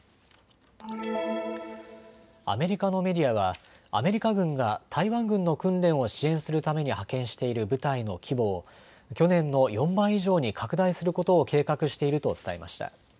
アメリカのメディアはアメリカ軍が台湾軍の訓練を支援するために派遣している部隊の規模を去年の４倍以上に拡大することを計画していると伝えました。